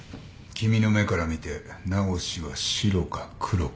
君の目から見て名越はシロかクロか？